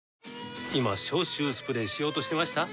今消臭スプレーしようとしてました？